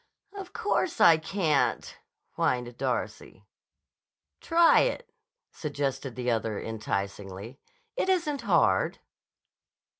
"Of course I can't," whined Darcy. "Try it," suggested the other enticingly. "It isn't hard."